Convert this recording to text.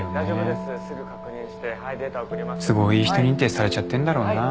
都合いい人認定されちゃってんだろうな。